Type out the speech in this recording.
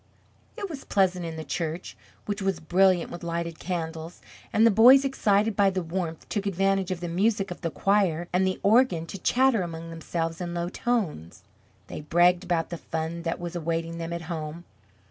It was pleasant in the church which was brilliant with lighted candles; and the boys excited by the warmth took advantage of the music of the choir and the organ to chatter among themselves in low tones. They bragged about the fun that was awaiting them at home.